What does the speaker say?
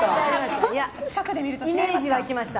イメージ湧きました。